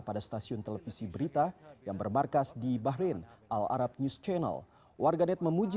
pada stasiun televisi berita yang bermarkas di bahrain al arab news channel warganet memuji